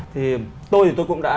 thì tôi thì tôi cũng đã